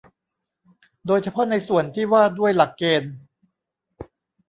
โดยเฉพาะในส่วนที่ว่าด้วยหลักเกณฑ์